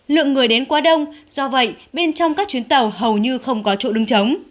lượng người đến quá đông do vậy bên trong các chuyến tàu hầu như không có chỗ đứng chống